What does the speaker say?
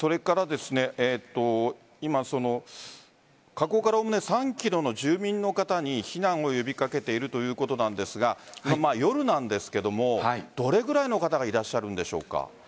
今、火口からおおむね３ｋｍの住民の方に避難を呼び掛けているということですが今、夜なんですがどれぐらいの方がいらっしゃるんでしょうか。